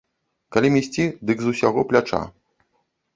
Калі месці, дык з усяго пляча.